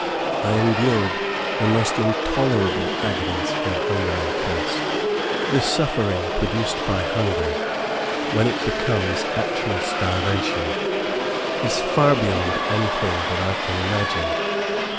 I endured the most intolerable agonies from hunger and thirst. The suffering produced by hunger, when it becomes actual starvation, is far beyond anything that I can imagine.